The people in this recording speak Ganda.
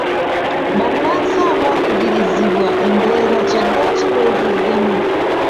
Bannansi abanyigirizibwa embeera kyaddaaki beevuddemu.